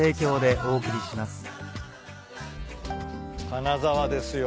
金沢ですよ。